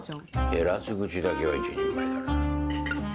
減らず口だけは一人前だな。